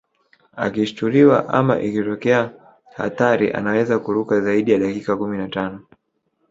Akishituliwa ama ikitokea hatari anaweza kuruka zaidi ya dakika kumi na tano